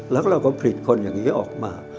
แล้วเราก็ผลิตคนอย่างนี้ออกมา